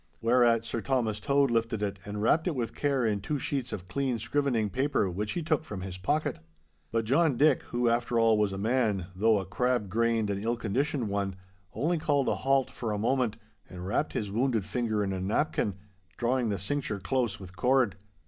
Whereat Sir Thomas Tode lifted it and wrapped it with care in two sheets of clean scrivening paper which he took from his pocket. But John Dick, who after all was a man, though a crab grained and ill conditioned one, only called a halt for a moment and wrapped his wounded finger in a napkin, drawing the cincture close with cord.